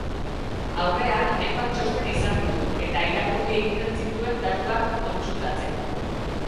Aurrean hainbat txosten izan ditu, eta irakurri egiten zituen datuak kontsultatzeko.